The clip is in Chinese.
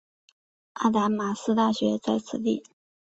阿达玛斯大学在此地。